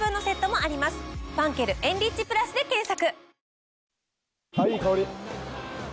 「ファンケルエンリッチプラス」で検索。